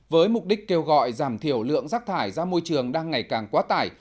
với mục đích kêu gọi giảm thiểu lượng rác thải ra môi trường đang ngày càng quá tải